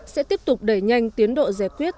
sẽ tiếp tục đẩy nhanh tiến độ giải quyết